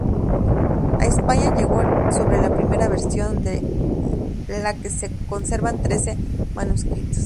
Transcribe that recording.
A España llegó sólo la primera versión, de la que se conservan trece manuscritos.